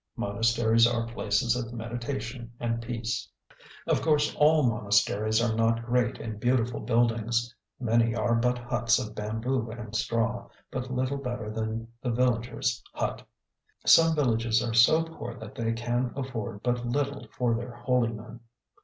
Monasteries are places of meditation and peace. Of course, all monasteries are not great and beautiful buildings; many are but huts of bamboo and straw, but little better than the villager's hut. Some villages are so poor that they can afford but little for their holy men.